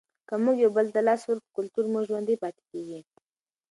که موږ یو بل ته لاس ورکړو کلتور مو ژوندی پاتې کیږي.